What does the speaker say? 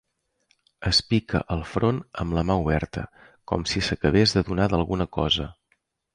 Es pica el front amb la mà oberta, com si s'acabés d'adonar d'alguna cosa.